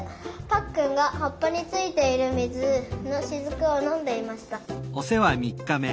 ぱっくんがはっぱについているみずのしずくをのんでいました。